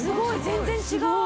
全然違う！